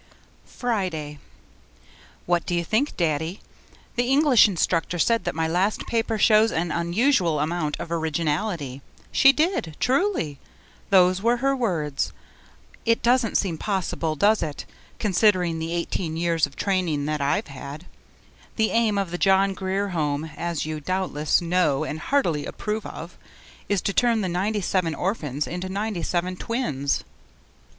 Friday What do you think, Daddy? The English instructor said that my last paper shows an unusual amount of originality. She did, truly. Those were her words. It doesn't seem possible, does it, considering the eighteen years of training that I've had? The aim of the John Grier Home (as you doubtless know and heartily approve of) is to turn the ninety seven orphans into ninety seven twins.